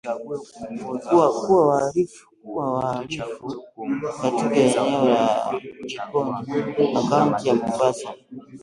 kuwa wahalifu katika eneo la Likoni kaunti ya Mombasa